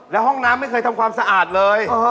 แล้วห้องน้ำไม่เคยทำความสะอาดเลย